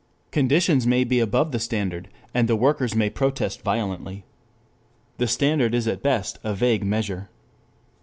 Conditions may be above the standard, and the workers may protest violently. The standard is at best a vague measure.